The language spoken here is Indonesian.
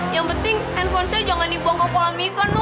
yang penting handphonenya jangan dibuang kepala mika dong kak